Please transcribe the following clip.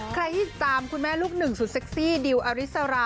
ใครที่ตามคุณแม่ลูกหนึ่งสุดเซ็กซี่ดิวอริสรา